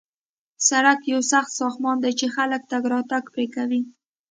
سړک یو سخت ساختمان دی چې خلک تګ راتګ پرې کوي